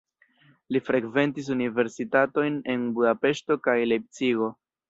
Li frekventis universitatojn en Budapeŝto kaj Lejpcigo.